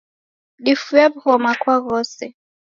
Difue wughoma kwa ghose